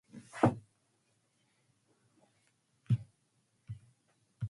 The post-war era was a politically active time in Finland.